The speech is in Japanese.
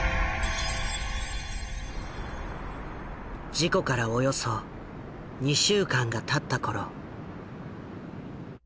事故からおよそ２週間がたった頃。